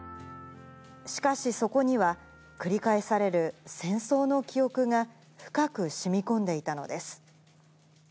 しかし、そこには、繰り返される戦争の記憶が深く染み込んでいたのです。